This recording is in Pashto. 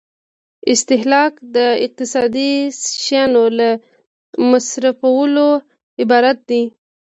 استهلاک د اقتصادي شیانو له مصرفولو عبارت دی.